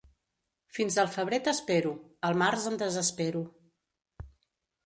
Fins al febrer t'espero; al març em desespero.